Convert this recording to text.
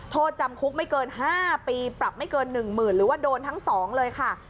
โทษจำคุกไม่เกินห้าปีปรับไม่เกินหนึ่งหมื่นหรือว่าโดนทั้งสองเลยค่ะ